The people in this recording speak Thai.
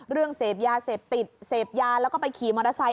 เรื่องเสพยาเสพติดเสพยาแล้วก็ไปขี่มอเตอร์ไซค